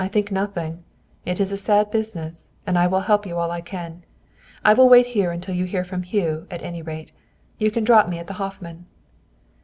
"I think nothing! It is a sad business, and I will help you all I can! I will wait here until you hear from Hugh, at any rate. You can drop me at the Hoffman."